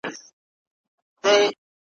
لکه شمع لمبه خورم لمبه مي وخوري ,